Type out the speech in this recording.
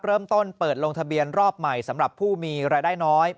เริ่มต้นเปิดลงทะเบียนรอบใหม่สำหรับผู้มีรายได้น้อย